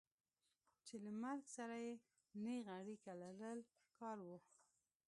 چې له مرګ سره یې نېغه اړیکه لرل کار و.